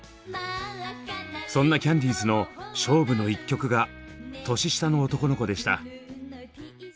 そんなキャンディーズの勝負の１曲が「年下の男の子」でした。